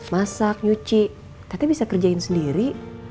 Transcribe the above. masak nyuci katanya bisa kerjain sendiri